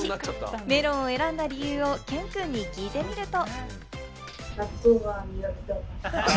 メロンを選んだ理由をＫＥＮくんに聞いてみると。